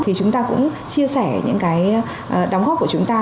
thì chúng ta cũng chia sẻ những cái đóng góp của chúng ta